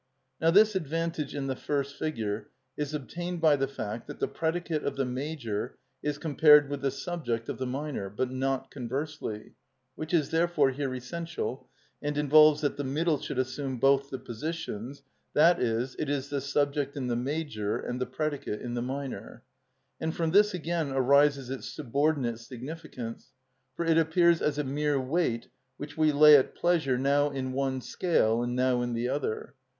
Now this advantage in the first figure is obtained by the fact that the predicate of the major is compared with the subject of the minor, but not conversely, which is therefore here essential, and involves that the middle should assume both the positions, i.e., it is the subject in the major and the predicate in the minor. And from this again arises its subordinate significance, for it appears as a mere weight which we lay at pleasure now in one scale and now in the other.